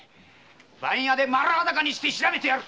番屋で丸裸にして調べてやる。